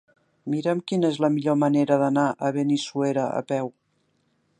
Mira'm quina és la millor manera d'anar a Benissuera a peu.